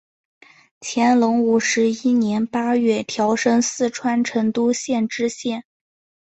乾隆五十一年八月调升四川成都县知县。